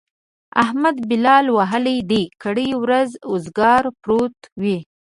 احمد بلا وهلی دی؛ کرۍ ورځ اوزګار پروت وي.